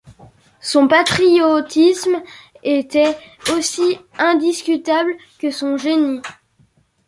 Son patriotisme était aussi indiscutable que son génie.